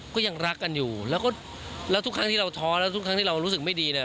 ก็ยังรักกันอยู่แล้วก็แล้วทุกครั้งที่เราท้อแล้วทุกครั้งที่เรารู้สึกไม่ดีเนี่ย